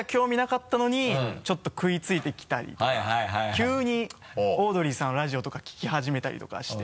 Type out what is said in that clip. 急にオードリーさんのラジオとか聴き始めたりとかして。